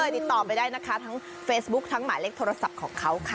ติดต่อไปได้นะคะทั้งเฟซบุ๊คทั้งหมายเลขโทรศัพท์ของเขาค่ะ